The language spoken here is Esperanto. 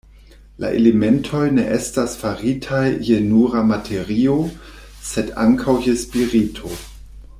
La elementoj ne estas faritaj je nura materio, sed ankaŭ je spirito.